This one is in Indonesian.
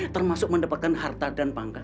termasuk mendapatkan harta dan pangkat